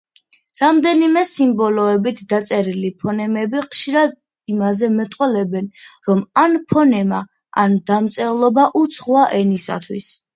რამდენიმე სიმბოლოებით დაწერილი ფონემები ხშირად იმაზე მეტყველებენ, რომ ან ფონემა, ან დამწერლობა უცხოა ენისათვის.